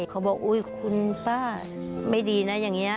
เขาบอกอุ๊ยคุณป้าไม่ดีนะอย่างนี้